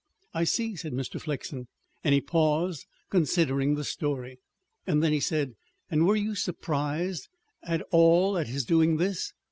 "I see," said Mr. Flexen, and he paused, considering the story. Then he said: "And were you surprised at all at his doing this?"